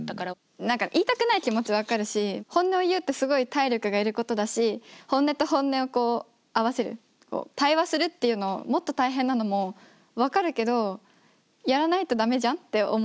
何か言いたくない気持ち分かるし本音を言うってすごい体力がいることだし本音と本音をこう合わせる対話するっていうのをもっと大変なのも分かるけどやらないと駄目じゃんって思ってる。